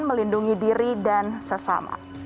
melindungi diri dan sesama